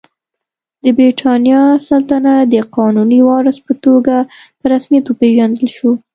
د برېټانیا سلطنت د قانوني وارث په توګه په رسمیت وپېژندل شو.